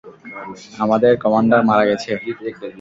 আমাদের কমান্ডার মারা গেছে।